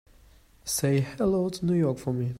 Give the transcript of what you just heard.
Say hello to New York for me.